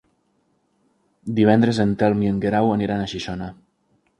Divendres en Telm i en Guerau aniran a Xixona.